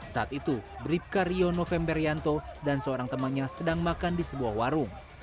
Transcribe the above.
saat itu bripka rio novemberianto dan seorang temannya sedang makan di sebuah warung